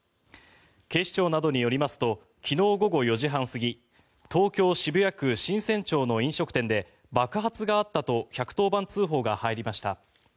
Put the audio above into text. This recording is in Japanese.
警視庁などによりますと昨日午後４時半過ぎ東京・渋谷区神泉町の飲食店で爆発があったと１１０番通報が入りました。